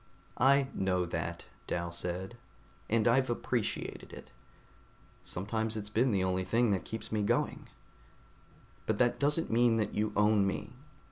"I know that," Dal said, "and I've appreciated it. Sometimes it's been the only thing that's kept me going. But that doesn't mean that you own me.